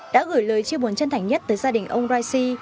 đã gửi lời chia buồn chân thành nhất tới gia đình ông raisi